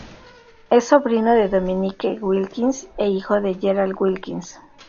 Es sobrino de Dominique Wilkins e hijo de Gerald Wilkins.